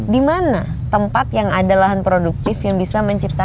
di mana tempat yang ada lahan produktif yang bisa menciptakan